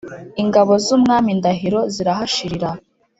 ingabo z’umwami ndahiro zirahashirira